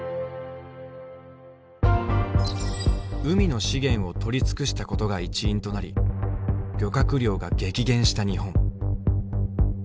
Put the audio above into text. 海の資源を取り尽くしたことが一因となり漁獲量が激減した日本。